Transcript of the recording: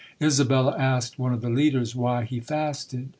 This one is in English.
Isabella asked one of the leaders why he fasted.